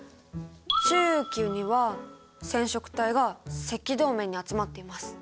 中期には染色体が赤道面に集まっています。